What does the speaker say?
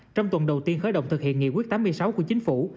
trong tuần đầu tiên khởi động thực hiện nghị quyết tám mươi sáu của chính phủ